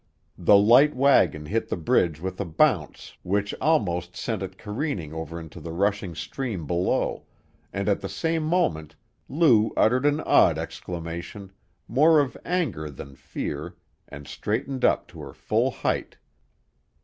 The light wagon hit the bridge with a bounce which almost sent it careening over into the rushing stream below, and at the same moment Lou uttered an odd exclamation, more of anger than fear, and straightened up to her full height.